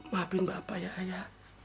maafin bapak ya ayah